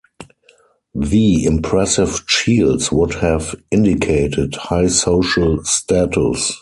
The impressive shields would have indicated high social status.